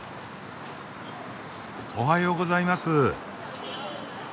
おはようございます。